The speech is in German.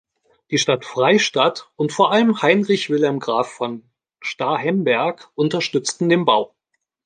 Die Stadt Freistadt und vor allem Heinrich Wilhelm Graf von Starhemberg unterstützten den Bau.